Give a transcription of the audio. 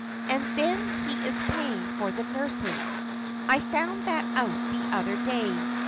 And then he is paying for the nurses. I found that out the other day.